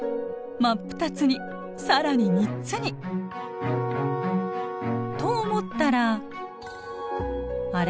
真っ二つに更に３つに！と思ったらあれ？